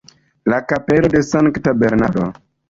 La kapelo de Sankta Bernardo.